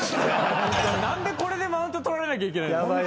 何でこれでマウント取られなきゃいけない。